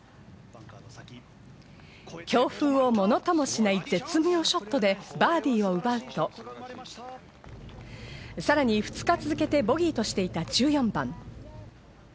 強風をものともしない絶妙ショットでバーディーを奪うと、さらに２日続けてボギーとしていた１４番。